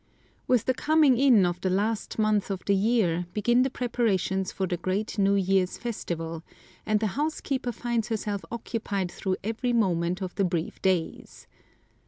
With the coming in of the last month of the year begin the preparations for the great New Year's festival, and the housekeeper finds herself occupied through every moment of the brief days.